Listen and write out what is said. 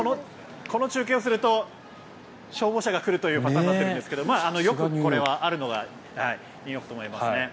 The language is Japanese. この中継をすると消防車が来るというパターンになっているんですがよくこれはあるのがニューヨークだと思いますね。